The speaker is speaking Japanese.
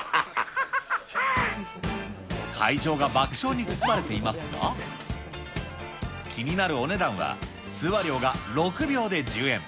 会場が爆笑に包まれていますが、気になるお値段は通話料が６秒で１０円。